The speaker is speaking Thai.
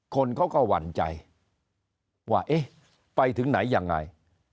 คนเขาก็หวั่นใจว่าเอ๊ะไปถึงไหนยังไง